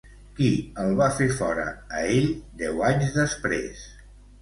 Qui el va fer fora a ell deu anys després?